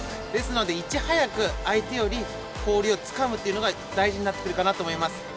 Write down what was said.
ですので、いち早く相手より氷をつかむというのが大事になってくるかなと思います。